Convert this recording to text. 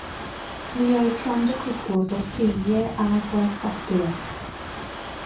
Mi oedd llond y cwpwrdd o ffeiliau a gwaith papur.